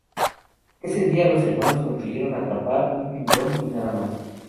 Ese día, los hermanos consiguieron atrapar un tiburón y nada más.